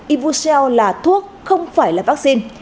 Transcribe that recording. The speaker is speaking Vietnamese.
evucel là thuốc không phải là vaccine